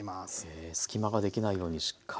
え隙間ができないようにしっかり。